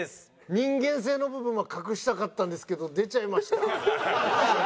人間性の部分は隠したかったんですけど出ちゃいました。